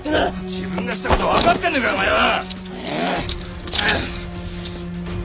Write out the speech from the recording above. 自分がした事わかってんのかお前は！